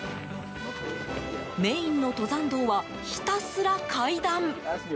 メインの登山道はひたすら階段。